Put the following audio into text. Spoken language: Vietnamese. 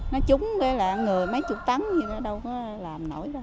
nó trúng với là người mấy chục tấn nó đâu có làm nổi đâu